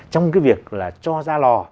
trong cái việc là cho ra lò